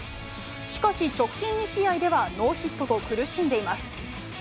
しかし、直近２試合ではノーヒットと苦しんでいます。